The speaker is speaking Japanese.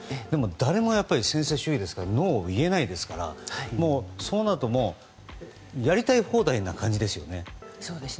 でも、誰もやっぱり専制主義ですからノーと言えないですからそうなるとやりたい放題の感じですよね。